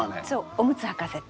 おむつはかせて。